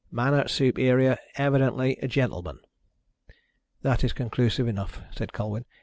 Manner superior, evidently a gentleman." "That is conclusive enough," said Colwyn.